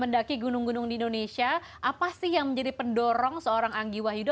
mendaki gunung gunung di indonesia apa sih yang menjadi pendorong seorang anggi wahyuda